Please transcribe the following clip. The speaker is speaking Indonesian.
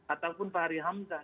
ataupun fahri hamzah